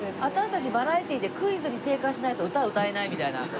私たちバラエティでクイズに正解しないと歌歌えないみたいな。